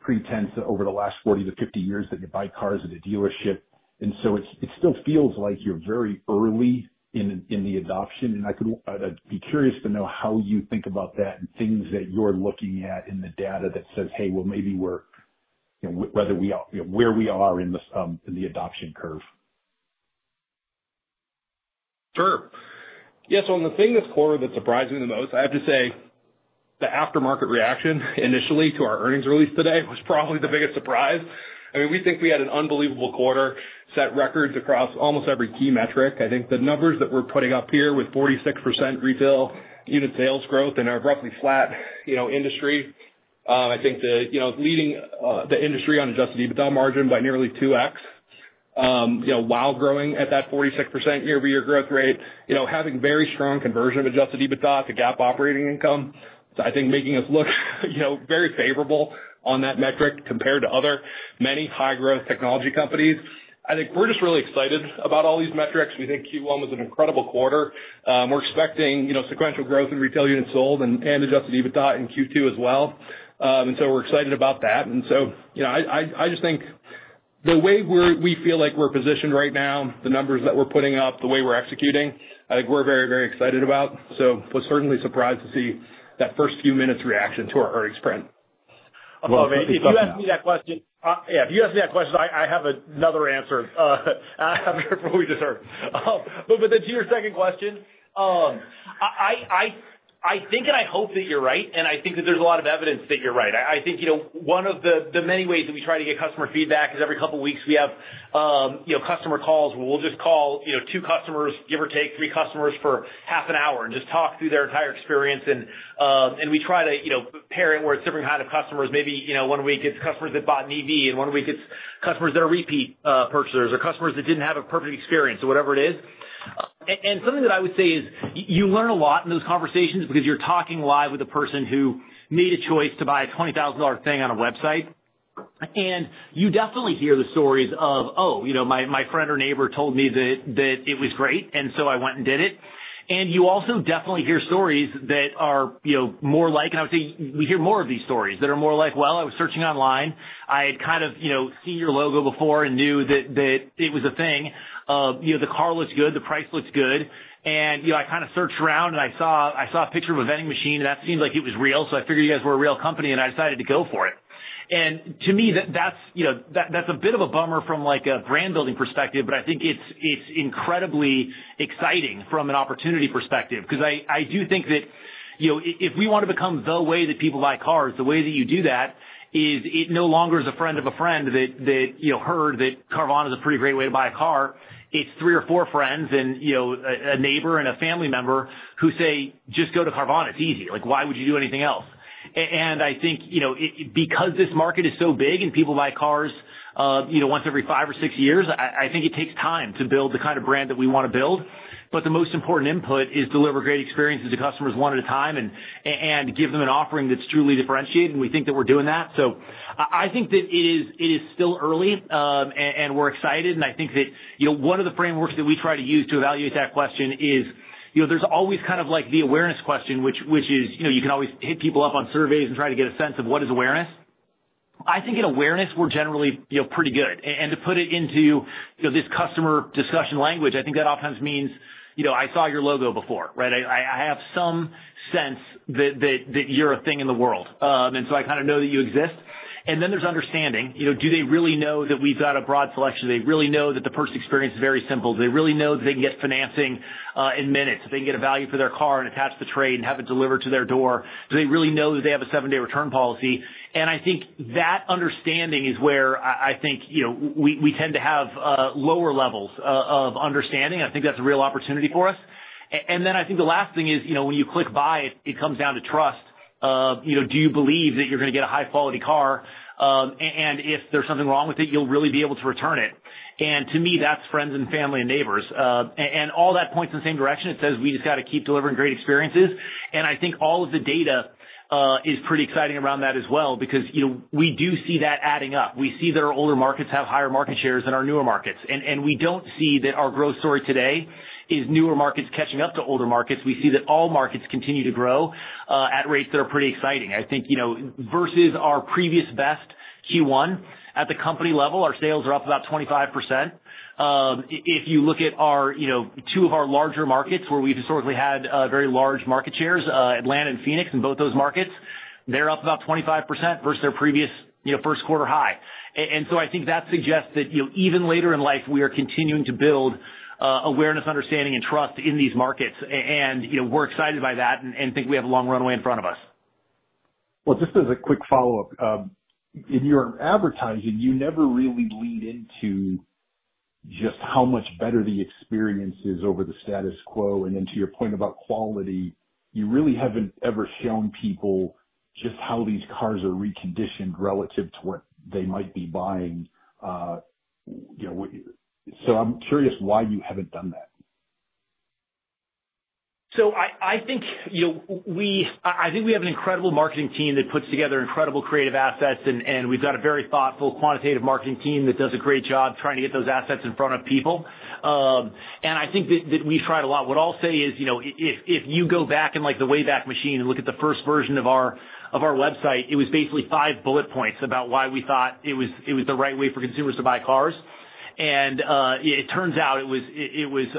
pretense over the last 40-50 years that you buy cars at a dealership. And so it still feels like you're very early in the adoption. And I'd be curious to know how you think about that and things that you're looking at in the data that says, "Hey, well, maybe we're wondering where we are in the adoption curve. Sure. Yeah. So, on the thing this quarter that surprised me the most, I have to say, the aftermarket reaction initially to our earnings release today was probably the biggest surprise. I mean, we think we had an unbelievable quarter, set records across almost every key metric. I think the numbers that we're putting up here with 46% retail unit sales growth in a roughly flat industry. I think leading the industry on Adjusted EBITDA margin by nearly 2x while growing at that 46% year-over-year growth rate, having very strong conversion of Adjusted EBITDA to GAAP operating income. So, I think making us look very favorable on that metric compared to other many high-growth technology companies. I think we're just really excited about all these metrics. We think Q1 was an incredible quarter. We're expecting sequential growth in retail units sold and Adjusted EBITDA in Q2 as well. And so we're excited about that and so I just think the way we feel like we're positioned right now, the numbers that we're putting up, the way we're executing, I think we're very, very excited about, so we're certainly surprised to see that first few minutes reaction to our earnings print. If you ask me that question, yeah, if you ask me that question, I have another answer I have for what we deserve, but then to your second question, I think and I hope that you're right, and I think that there's a lot of evidence that you're right. I think one of the many ways that we try to get customer feedback is every couple of weeks we have customer calls where we'll just call two customers, give or take three customers for half an hour and just talk through their entire experience. We try to pair it where it's different kind of customers. Maybe one week it's customers that bought an EV, and one week it's customers that are repeat purchasers or customers that didn't have a perfect experience or whatever it is. And something that I would say is you learn a lot in those conversations because you're talking live with a person who made a choice to buy a $20,000 thing on a website. And you definitely hear the stories of, "Oh, my friend or neighbor told me that it was great. And so I went and did it." And you also definitely hear stories that are more like and I would say we hear more of these stories that are more like, "Well, I was searching online. I had kind of seen your logo before and knew that it was a thing. The car looks good. The price looks good. And I kind of searched around. And I saw a picture of a vending machine. And that seemed like it was real. So I figured you guys were a real company. And I decided to go for it," and to me, that's a bit of a bummer from a brand-building perspective. But I think it's incredibly exciting from an opportunity perspective because I do think that if we want to become the way that people buy cars, the way that you do that is it no longer is a friend of a friend that heard that Carvana is a pretty great way to buy a car. It's three or four friends and a neighbor and a family member who say, "Just go to Carvana. It's easy. Why would you do anything else?" And I think because this market is so big and people buy cars once every five or six years, I think it takes time to build the kind of brand that we want to build. But the most important input is deliver great experiences to customers one at a time and give them an offering that's truly differentiated. And we think that we're doing that. So I think that it is still early. And we're excited. And I think that one of the frameworks that we try to use to evaluate that question is there's always kind of like the awareness question, which is you can always hit people up on surveys and try to get a sense of what is awareness. I think in awareness, we're generally pretty good. To put it into this customer discussion language, I think that oftentimes means I saw your logo before, right? I have some sense that you're a thing in the world. I kind of know that you exist. Then there's understanding. Do they really know that we've got a broad selection? Do they really know that the first experience is very simple? Do they really know that they can get financing in minutes? They can get a value for their car and attach the trade and have it delivered to their door. Do they really know that they have a seven-day return policy? I think that understanding is where I think we tend to have lower levels of understanding. I think that's a real opportunity for us. I think the last thing is when you click buy, it comes down to trust. Do you believe that you're going to get a high-quality car? And if there's something wrong with it, you'll really be able to return it. And to me, that's friends and family and neighbors. And all that points in the same direction. It says we just got to keep delivering great experiences. And I think all of the data is pretty exciting around that as well because we do see that adding up. We see that our older markets have higher market shares than our newer markets. And we don't see that our growth story today is newer markets catching up to older markets. We see that all markets continue to grow at rates that are pretty exciting. I think versus our previous best Q1 at the company level, our sales are up about 25%. If you look at two of our larger markets where we've historically had very large market shares, Atlanta and Phoenix, in both those markets, they're up about 25% versus their previous first-quarter high. And so I think that suggests that even later in life, we are continuing to build awareness, understanding, and trust in these markets. And we're excited by that and think we have a long runway in front of us. Just as a quick follow-up, in your advertising, you never really lead into just how much better the experience is over the status quo. To your point about quality, you really haven't ever shown people just how these cars are reconditioned relative to what they might be buying. I'm curious why you haven't done that. So I think we have an incredible marketing team that puts together incredible creative assets. And we've got a very thoughtful quantitative marketing team that does a great job trying to get those assets in front of people. And I think that we've tried a lot. What I'll say is if you go back in the Wayback Machine and look at the first version of our website, it was basically five bullet points about why we thought it was the right way for consumers to buy cars. And it turns out it was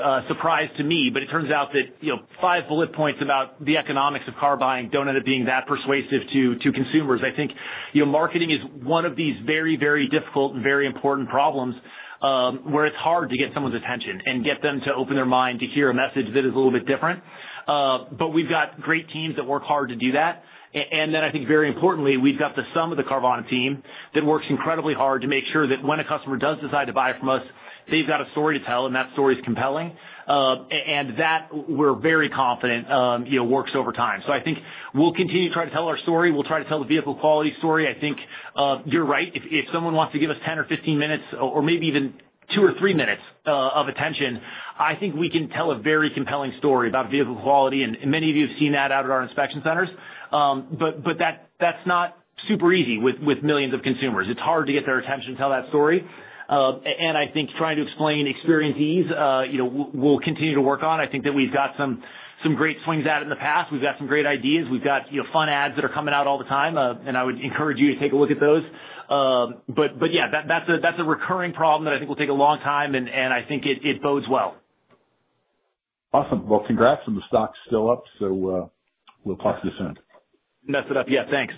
a surprise to me. But it turns out that five bullet points about the economics of car buying don't end up being that persuasive to consumers. I think marketing is one of these very, very difficult and very important problems where it's hard to get someone's attention and get them to open their mind to hear a message that is a little bit different. But we've got great teams that work hard to do that. And then I think very importantly, we've got the sum of the Carvana team that works incredibly hard to make sure that when a customer does decide to buy from us, they've got a story to tell. And that story is compelling. And that, we're very confident, works over time. So I think we'll continue to try to tell our story. We'll try to tell the vehicle quality story. I think you're right. If someone wants to give us 10 or 15 minutes or maybe even two or three minutes of attention, I think we can tell a very compelling story about vehicle quality. And many of you have seen that out at our inspection centers. But that's not super easy with millions of consumers. It's hard to get their attention to tell that story. And I think trying to explain experience ease will continue to work on. I think that we've got some great swings at it in the past. We've got some great ideas. We've got fun ads that are coming out all the time. And I would encourage you to take a look at those. But yeah, that's a recurring problem that I think will take a long time. And I think it bodes well. Awesome. Well, congrats. And the stock's still up. So we'll talk to you soon. it up. Yeah. Thanks.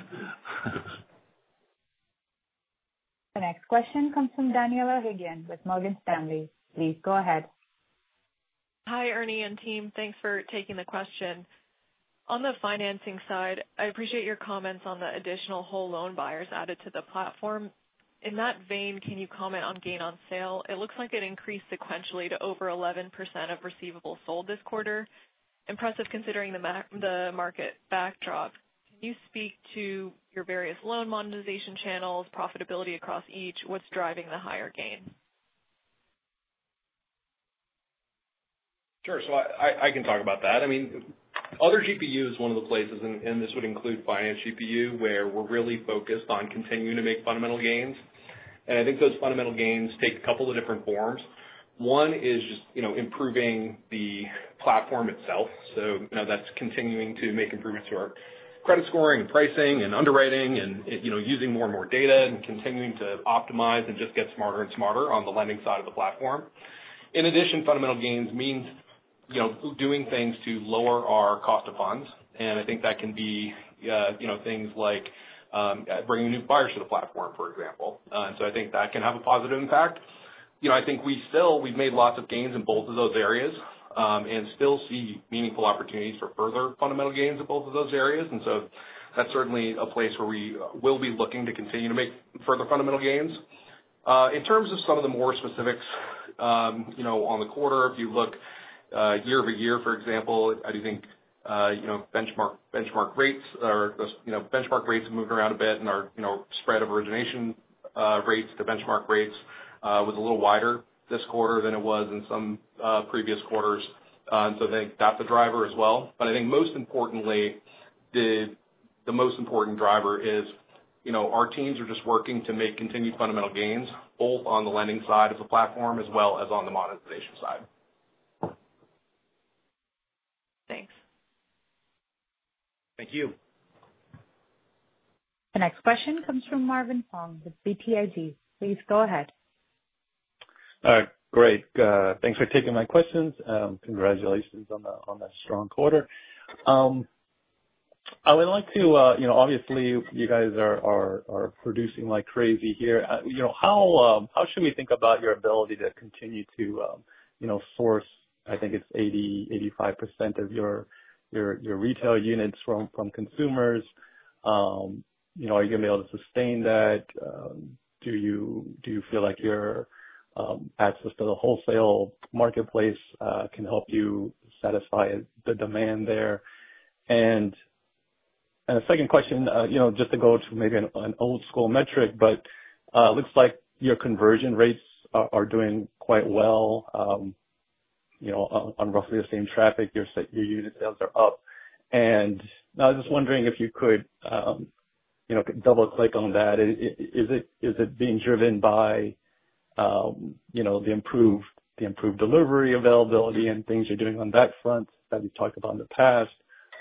The next question comes from Danielle Higgins with Morgan Stanley. Please go ahead. Hi, Ernie and team. Thanks for taking the question. On the financing side, I appreciate your comments on the additional whole loan buyers added to the platform. In that vein, can you comment on gain on sale? It looks like it increased sequentially to over 11% of receivables sold this quarter. Impressive considering the market backdrop. Can you speak to your various loan monetization channels, profitability across each? What's driving the higher gain? Sure. So I can talk about that. I mean, other GPU is one of the places, and this would include finance GPU, where we're really focused on continuing to make fundamental gains. And I think those fundamental gains take a couple of different forms. One is just improving the platform itself. So that's continuing to make improvements to our credit scoring and pricing and underwriting and using more and more data and continuing to optimize and just get smarter and smarter on the lending side of the platform. In addition, fundamental gains means doing things to lower our cost of funds. And I think that can be things like bringing new buyers to the platform, for example. And so I think that can have a positive impact. I think we've made lots of gains in both of those areas and still see meaningful opportunities for further fundamental gains in both of those areas. And so that's certainly a place where we will be looking to continue to make further fundamental gains. In terms of some of the more specifics on the quarter, if you look year-over-year, for example, I do think benchmark rates have moved around a bit and our spread of origination rates to benchmark rates was a little wider this quarter than it was in some previous quarters. And so I think that's a driver as well. But I think most importantly, the most important driver is our teams are just working to make continued fundamental gains both on the lending side of the platform as well as on the monetization side. Thanks. Thank you. The next question comes from Marvin Fong with BTIG. Please go ahead. All right. Great. Thanks for taking my questions. Congratulations on that strong quarter. I would like to obviously, you guys are producing like crazy here. How should we think about your ability to continue to source? I think it's 80%-85% of your retail units from consumers. Are you going to be able to sustain that? Do you feel like your access to the wholesale marketplace can help you satisfy the demand there? And a second question, just to go to maybe an old-school metric, but it looks like your conversion rates are doing quite well on roughly the same traffic. Your unit sales are up. And I was just wondering if you could double-click on that. Is it being driven by the improved delivery availability and things you're doing on that front that you've talked about in the past,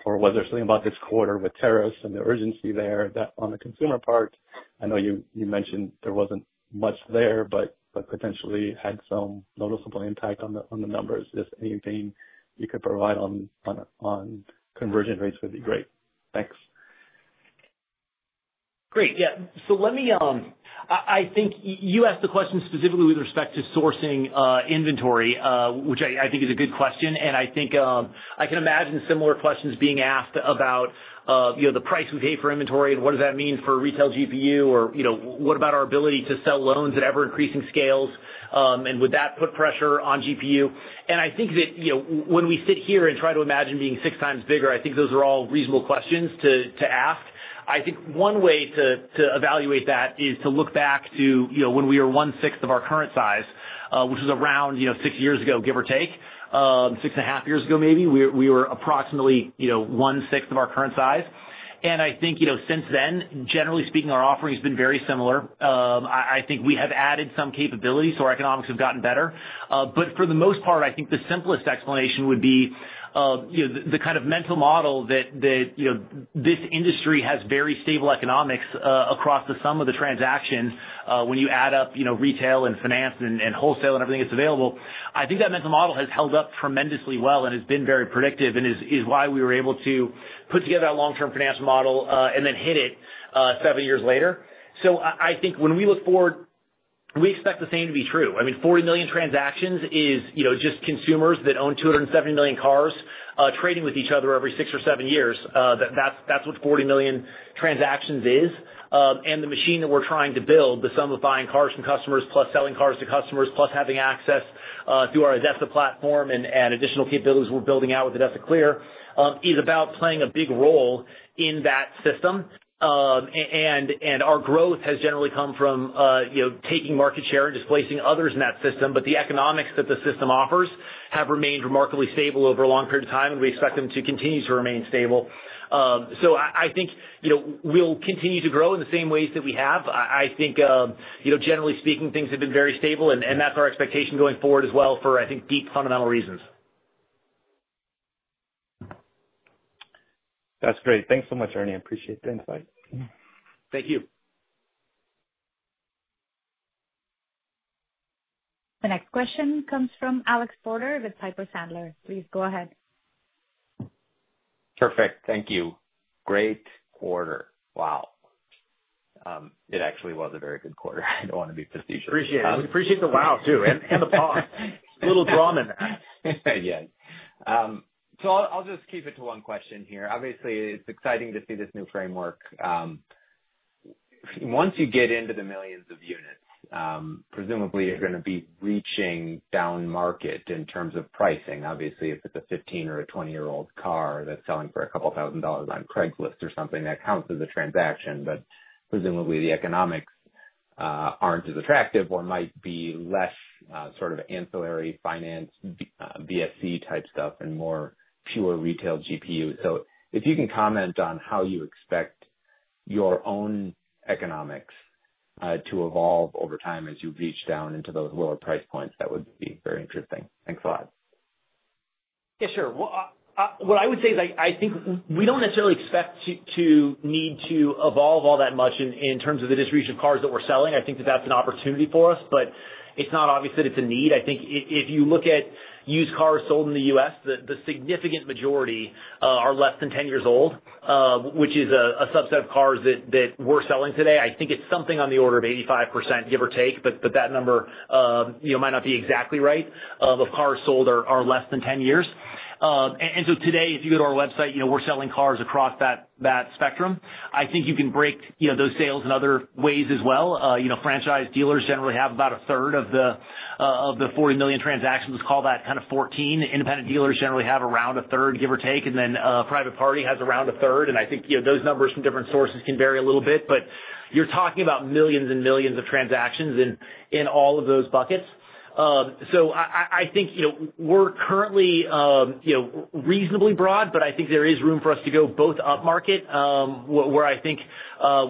or was there something about this quarter with Terrace and the urgency there on the consumer part? I know you mentioned there wasn't much there, but potentially had some noticeable impact on the numbers. If anything, you could provide on conversion rates would be great. Thanks. Great. Yeah. So let me, I think you asked the question specifically with respect to sourcing inventory, which I think is a good question, and I think I can imagine similar questions being asked about the price we pay for inventory and what does that mean for retail GPU, or what about our ability to sell loans at ever-increasing scales, and would that put pressure on GPU? And I think that when we sit here and try to imagine being six times bigger, I think those are all reasonable questions to ask. I think one way to evaluate that is to look back to when we were one-sixth of our current size, which was around six years ago, give or take, six and a half years ago maybe. We were approximately one-sixth of our current size, and I think since then, generally speaking, our offering has been very similar. I think we have added some capabilities. So our economics have gotten better. But for the most part, I think the simplest explanation would be the kind of mental model that this industry has very stable economics across the sum of the transactions when you add up retail and finance and wholesale and everything that's available. I think that mental model has held up tremendously well and has been very predictive and is why we were able to put together a long-term financial model and then hit it seven years later. So I think when we look forward, we expect the same to be true. I mean, 40 million transactions is just consumers that own 270 million cars trading with each other every six or seven years. That's what 40 million transactions is. And the machine that we're trying to build, the sum of buying cars from customers plus selling cars to customers plus having access through our ADESA platform and additional capabilities we're building out with ADESA Clear is about playing a big role in that system. And our growth has generally come from taking market share and displacing others in that system. But the economics that the system offers have remained remarkably stable over a long period of time. And we expect them to continue to remain stable. So I think we'll continue to grow in the same ways that we have. I think, generally speaking, things have been very stable. And that's our expectation going forward as well for, I think, deep fundamental reasons. That's great. Thanks so much, Ernie. I appreciate the insight. Thank you. The next question comes from Alex Potter with Piper Sandler. Please go ahead. Perfect. Thank you. Great quarter. Wow. It actually was a very good quarter. I don't want to be facetious. Appreciate it. Appreciate the wow too and the pause. A little drama in that. Yes. So I'll just keep it to one question here. Obviously, it's exciting to see this new framework. Once you get into the millions of units, presumably you're going to be reaching down market in terms of pricing. Obviously, if it's a 15 or 20-year-old car that's selling for $2,000 on Craigslist or something, that counts as a transaction. But presumably, the economics aren't as attractive or might be less sort of ancillary finance VSC type stuff and more pure retail GPU. So if you can comment on how you expect your own economics to evolve over time as you reach down into those lower price points, that would be very interesting. Thanks a lot. Yeah, sure. Well, what I would say is I think we don't necessarily expect to need to evolve all that much in terms of the distribution of cars that we're selling. I think that that's an opportunity for us. But it's not obvious that it's a need. I think if you look at used cars sold in the U.S., the significant majority are less than 10 years old, which is a subset of cars that we're selling today. I think it's something on the order of 85%, give or take. But that number might not be exactly right of cars sold are less than 10 years. And so today, if you go to our website, we're selling cars across that spectrum. I think you can break those sales in other ways as well. Franchise dealers generally have about a third of the 40 million transactions. Let's call that kind of 14. Independent dealers generally have around a third, give or take, and then private party has around a third, and I think those numbers from different sources can vary a little bit, but you're talking about millions and millions of transactions in all of those buckets, so I think we're currently reasonably broad, but I think there is room for us to go both up market, where I think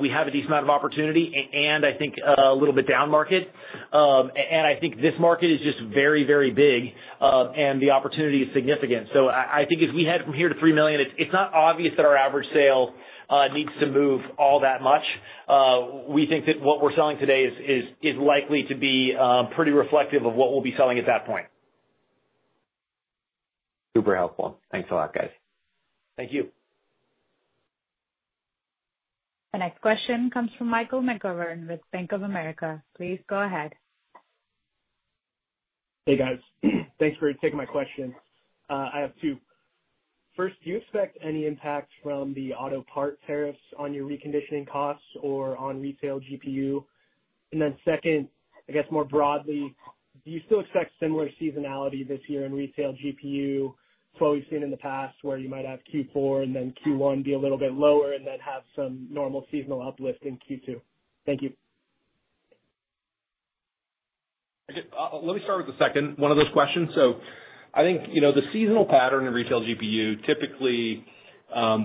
we have a decent amount of opportunity, and I think a little bit down market, and I think this market is just very, very big, and the opportunity is significant, so I think as we head from here to three million, it's not obvious that our average sale needs to move all that much. We think that what we're selling today is likely to be pretty reflective of what we'll be selling at that point. Super helpful. Thanks a lot, guys. Thank you. The next question comes from Michael McGovern with Bank of America. Please go ahead. Hey, guys. Thanks for taking my question. I have two. First, do you expect any impact from the auto part tariffs on your reconditioning costs or on retail GPU? And then second, I guess more broadly, do you still expect similar seasonality this year in retail GPU to what we've seen in the past, where you might have Q4 and then Q1 be a little bit lower and then have some normal seasonal uplift in Q2? Thank you. Let me start with the second one of those questions, so I think the seasonal pattern in retail GPU, typically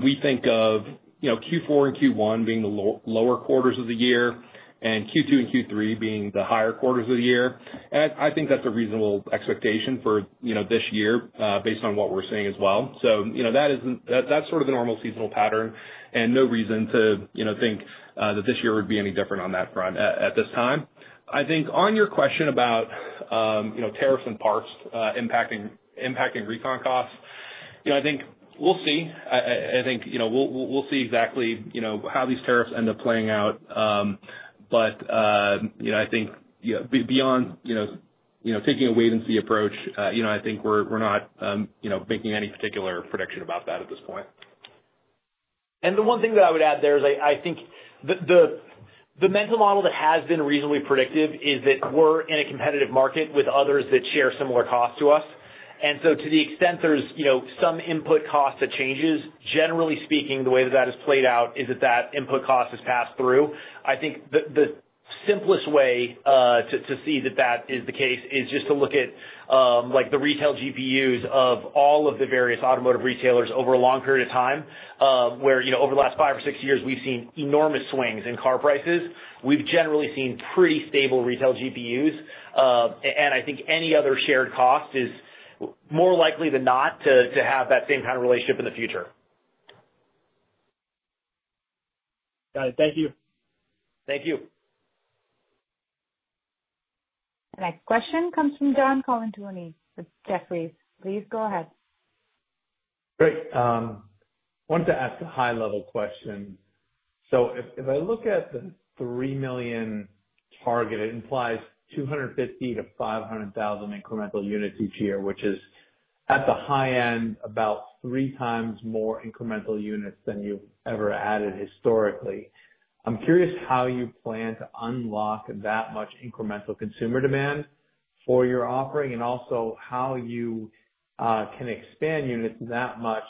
we think of Q4 and Q1 being the lower quarters of the year and Q2 and Q3 being the higher quarters of the year, and I think that's a reasonable expectation for this year based on what we're seeing as well, so that's sort of the normal seasonal pattern and no reason to think that this year would be any different on that front at this time. I think on your question about tariffs and parts impacting recon costs, I think we'll see. I think we'll see exactly how these tariffs end up playing out, but I think beyond taking a wait-and-see approach, I think we're not making any particular prediction about that at this point. The one thing that I would add there is I think the mental model that has been reasonably predictive is that we're in a competitive market with others that share similar costs to us. So to the extent there's some input cost that changes, generally speaking, the way that that has played out is that that input cost has passed through. I think the simplest way to see that that is the case is just to look at the retail GPUs of all of the various automotive retailers over a long period of time, where over the last five or six years, we've seen enormous swings in car prices. We've generally seen pretty stable retail GPUs. And I think any other shared cost is more likely than not to have that same kind of relationship in the future. Got it. Thank you. Thank you. The next question comes from John Colantuoni with Jefferies. Please go ahead. Great. I wanted to ask a high-level question. So if I look at the 3 million target, it implies 250 to 500,000 incremental units each year, which is at the high end about three times more incremental units than you've ever added historically. I'm curious how you plan to unlock that much incremental consumer demand for your offering and also how you can expand units that much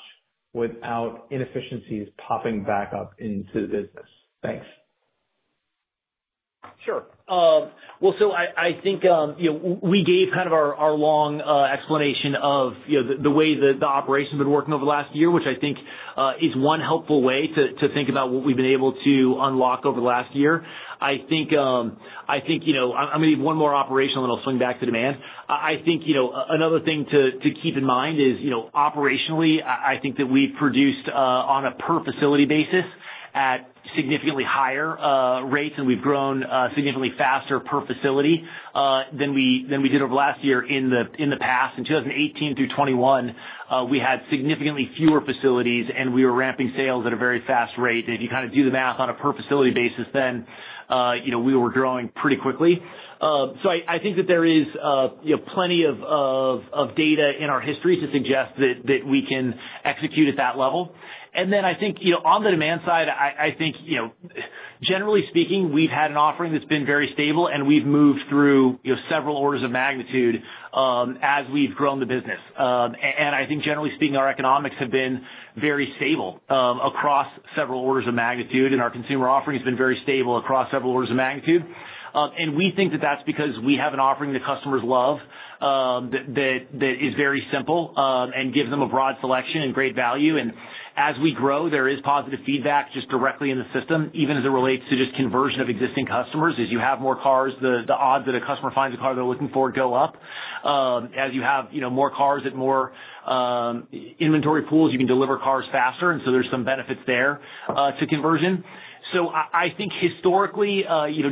without inefficiencies popping back up into the business. Thanks. Sure. Well, so I think we gave kind of our long explanation of the way that the operation's been working over the last year, which I think is one helpful way to think about what we've been able to unlock over the last year. I think I'm going to leave one more operational, and I'll swing back to demand. I think another thing to keep in mind is operationally, I think that we've produced on a per-facility basis at significantly higher rates. And we've grown significantly faster per facility than we did over the last year. In the past, in 2018 through 2021, we had significantly fewer facilities, and we were ramping sales at a very fast rate. And if you kind of do the math on a per-facility basis, then we were growing pretty quickly. I think that there is plenty of data in our history to suggest that we can execute at that level. Then I think on the demand side, I think generally speaking, we've had an offering that's been very stable, and we've moved through several orders of magnitude as we've grown the business. I think generally speaking, our economics have been very stable across several orders of magnitude, and our consumer offering has been very stable across several orders of magnitude. We think that that's because we have an offering that customers love that is very simple and gives them a broad selection and great value. As we grow, there is positive feedback just directly in the system, even as it relates to just conversion of existing customers. As you have more cars, the odds that a customer finds a car they're looking for go up. As you have more cars at more inventory pools, you can deliver cars faster, and so there's some benefits there to conversion, so I think historically,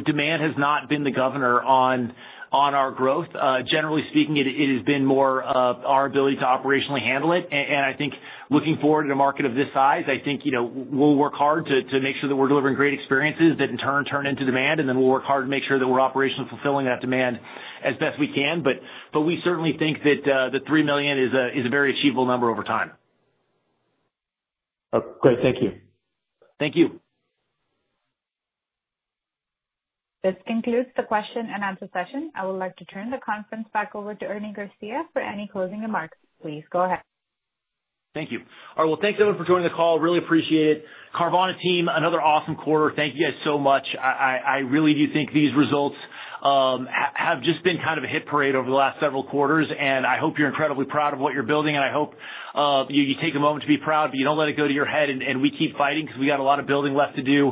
demand has not been the governor on our growth. Generally speaking, it has been more our ability to operationally handle it, and I think looking forward to a market of this size, I think we'll work hard to make sure that we're delivering great experiences that, in turn, turn into demand, and then we'll work hard to make sure that we're operationally fulfilling that demand as best we can, but we certainly think that the three million is a very achievable number over time. Great. Thank you. Thank you. This concludes the question and answer session. I would like to turn the conference back over to Ernie Garcia for any closing remarks. Please go ahead. Thank you. All right, well, thanks everyone for joining the call. Really appreciate it. Carvana team, another awesome quarter. Thank you guys so much. I really do think these results have just been kind of a hit parade over the last several quarters, and I hope you're incredibly proud of what you're building, and I hope you take a moment to be proud, but you don't let it go to your head, and we keep fighting because we got a lot of building left to do.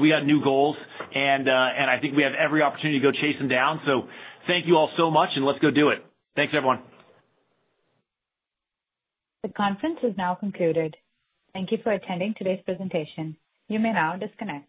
We got new goals, and I think we have every opportunity to go chase them down, so thank you all so much, and let's go do it. Thanks, everyone. The conference is now concluded. Thank you for attending today's presentation. You may now disconnect.